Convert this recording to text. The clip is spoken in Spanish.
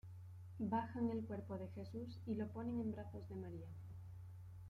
Bajan el cuerpo de Jesús y lo ponen en brazos de María.